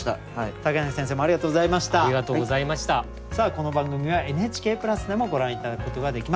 この番組はＮＨＫプラスでもご覧頂くことができます。